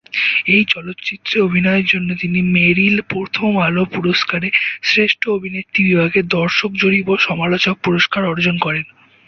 এই চলচ্চিত্রে অভিনয়ের জন্য তিনি মেরিল প্রথম আলো পুরস্কার-এ শ্রেষ্ঠ অভিনেত্রী বিভাগে দর্শক জরিপ ও সমালোচক পুরস্কার অর্জন করেন।